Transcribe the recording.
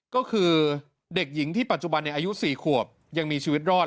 ก็คือเด็กหญิงที่ปัจจุบันอายุ๔ขวบยังมีชีวิตรอด